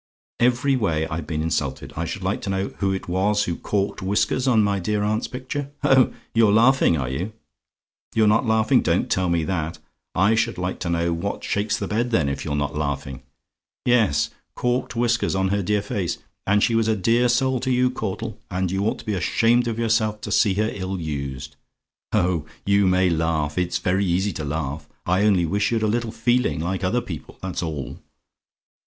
"Every way I've been insulted. I should like to know who it was who corked whiskers on my dear aunt's picture? Oh! you're laughing, are you? "YOU'RE NOT LAUGHING? "Don't tell me that. I should like to know what shakes the bed, then, if you're not laughing? Yes, corked whiskers on her dear face, and she was a dear soul to you, Caudle, and you ought to be ashamed of yourself to see her ill used. Oh, you may laugh! It's very easy to laugh! I only wish you'd a little feeling, like other people, that's all.